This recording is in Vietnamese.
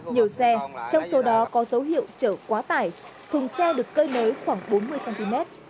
nhiều xe trong số đó có dấu hiệu chở quá tải thùng xe được cơi nới khoảng bốn mươi cm